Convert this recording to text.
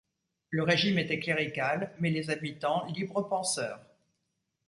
Le régime était clérical, mais les habitants libres penseurs.